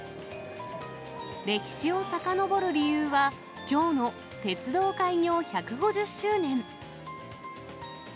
歴史をさかのぼる理由は、きょうの鉄道開業１５０周年。